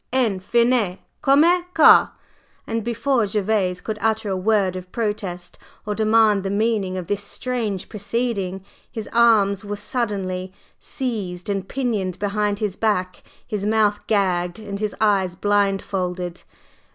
enfin, comme ça!_" And before Gervase could utter a word of protest, or demand the meaning of this strange proceeding, his arms were suddenly seized and pinioned behind his back, his mouth gagged, and his eyes blindfolded.